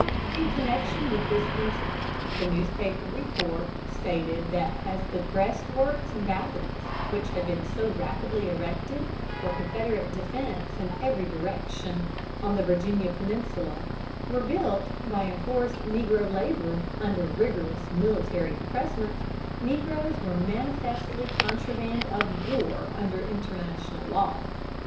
In connection with this incident, the newspaper report stated that as the breastworks and batteries which had been so rapidly erected for Confederate defense in every direction on the Virginia peninsula were built by enforced negro labor under rigorous military impressment, negroes were manifestly contraband of war under international law.